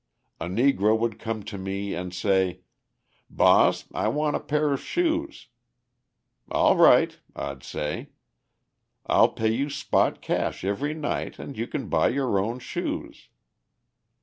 A Negro would come to me and say: 'Boss, I want a pair of shoes.' 'All right,' I'd say. 'I'll pay you spot cash every night and you can buy your own shoes.'